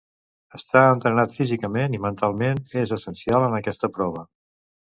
Estar entrenat físicament i mentalment és essencial en aquesta prova.